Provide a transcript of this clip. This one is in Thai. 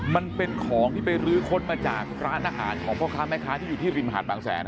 มันเป็นของที่ไปรื้อค้นมาจากร้านอาหารของพ่อค้าแม่ค้าที่อยู่ที่ริมหาดบางแสน